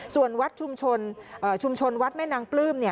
ส่วนวัดชุมชนชุมชนวัดแม่นางปลื้ม